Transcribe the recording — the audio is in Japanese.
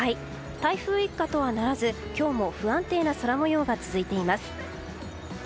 台風一過とはならず今日も不安定な空模様が続いています。